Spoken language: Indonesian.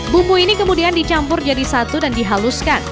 bumbu ini kemudian dicampur jadi satu dan dihaluskan